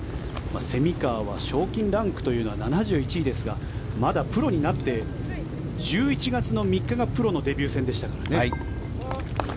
蝉川は賞金ランクというのは７１位ですがまだプロになって１１月の３日がプロのデビュー戦でしたからね。